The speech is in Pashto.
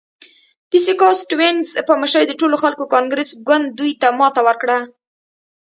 د سیاکا سټیونز په مشرۍ د ټولو خلکو کانګرس ګوند دوی ته ماته ورکړه.